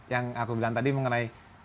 yang aku bilang tadi mengenai